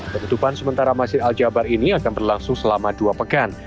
penutupan sementara masjid al jabar ini akan berlangsung selama dua pekan